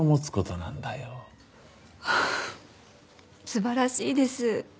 素晴らしいです。